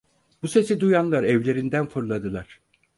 Bu sesi duyanlar evlerinden fırladılar.